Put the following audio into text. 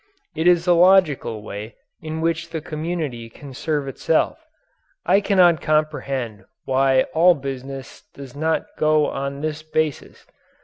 It is the logical way in which the community can serve itself. I cannot comprehend why all business does not go on this basis.